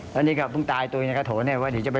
แต่ก็ต้องจากเลยถูด